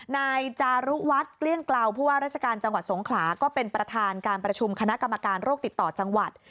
นายจารุวัฒน์เกลี้ยงกล่าวผู้ว่าราชการจังหวัดสงขลาก็เป็นประธานการประชุมคณะกรรมการโรคติดต่อจังหวัด